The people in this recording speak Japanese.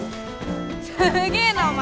すげーなお前！